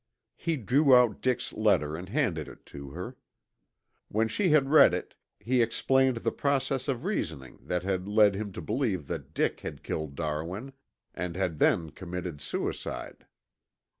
He drew out Dick's letter and handed it to her. When she had read it he explained the process of reasoning that had led him to believe that Dick had killed Darwin and had then committed suicide.